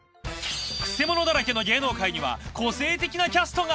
くせ者だらけの芸能界には個性的なキャストが。